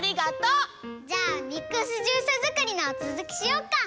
じゃあミックスジュースづくりのつづきしよっか。